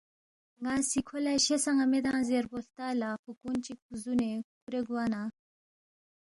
ن٘اسی کھو لہ شیسان٘ا میدانگ زیربو ہلتا لہ فُوکُون چی زُونے کُھورے گوا نہ